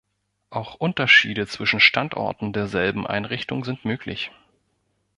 Auch Unterschiede zwischen Standorten derselben Einrichtung sind möglich.